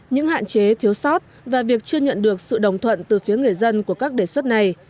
những hạn chế thiếu sót và việc chưa nhận được sự đồng thuận từ phía người dân của các đề xuất này